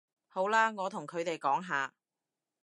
好啦，我同佢哋講吓